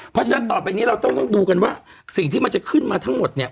เพราะฉะนั้นต่อไปนี้เราต้องดูกันว่าสิ่งที่มันจะขึ้นมาทั้งหมดเนี่ย